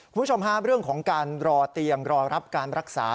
คุณผู้ชมฮะเรื่องของการรอเตียงรอรับการรักษา